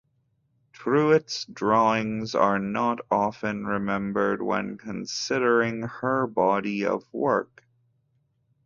Truitt's drawings are not often remembered when considering her body of work.